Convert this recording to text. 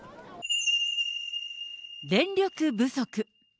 電力不足。